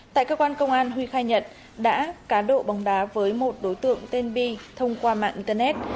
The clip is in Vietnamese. tại cơ quan công an huy khai nhận đã cá độ bóng đá với một đối tượng tên bi thông qua mạng internet